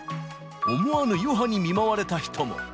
思わぬ余波に見舞われた人も。